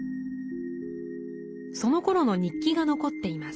そのころの日記が残っています。